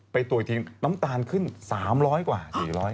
ไปตรวจน้ำตาลขึ้น๓๐๐กว่า๔๐๐